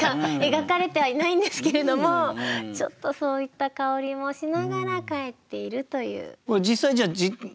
描かれてはいないんですけれどもちょっとそういった香りもしながら帰っているという。